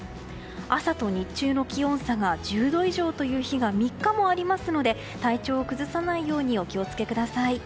朝と日中の気温差が１０度以上という日が３日もありますので体調を崩さないようにお気を付けください。